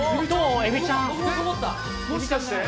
もしかして？